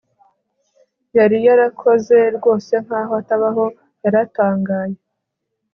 yari yarakoze rwose nkaho atabaho. yaratangaye